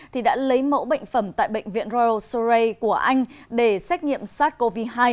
thì đã lấy mẫu bệnh phẩm tại bệnh viện royal surrey của anh để xét nghiệm sars cov hai